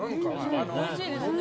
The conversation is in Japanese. おいしいですね。